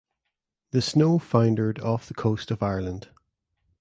The snow foundered off the coast of Ireland.